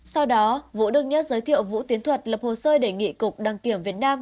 sau đó vũ đức nhất giới thiệu vũ tiến thuật lập hồ sơ đề nghị cục đăng kiểm việt nam